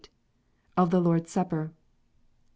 Of the Lord s Supper. 29.